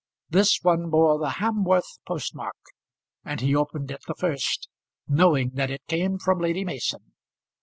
This one bore the Hamworth post mark, and he opened it the first, knowing that it came from Lady Mason.